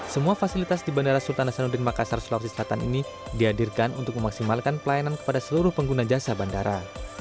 semua fasilitas di bandara sultan hasanuddin makassar sulawesi selatan ini dihadirkan untuk memaksimalkan pelayanan kepada seluruh pengguna jasa bandara